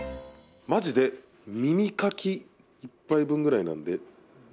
まじで耳かき１杯分ぐらいなんで。